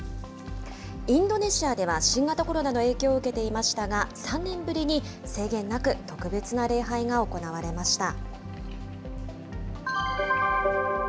インドネシアでは新型コロナウイルスの影響を受けていましたが、３年ぶりに制限なく特別な礼拝が行われました。